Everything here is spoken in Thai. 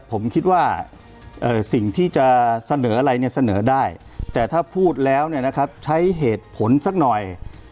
ผมคิดว่าสิ่งที่จะเสนออะไรเสนอได้แต่ถ้าพูดแล้วใช้เหตุผลสักหน่อย